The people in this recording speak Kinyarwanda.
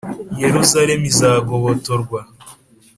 Yeruzalemu izagobotorwa